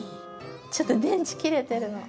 ちょっと電池切れてるの。